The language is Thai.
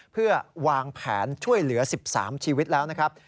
เพื่อวางแผนช่วยเหลือ๑๓ชีวิตแล้วนะครับ